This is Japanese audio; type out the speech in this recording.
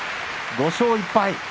５勝１敗。